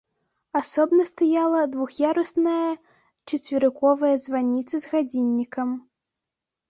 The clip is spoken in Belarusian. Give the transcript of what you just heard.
Асобна стаяла двух'ярусная чацверыковая званіца з гадзіннікам.